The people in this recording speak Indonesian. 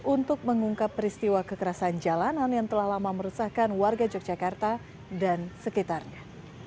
untuk mengungkap peristiwa kekerasan jalanan yang telah lama merusakkan warga yogyakarta dan sekitarnya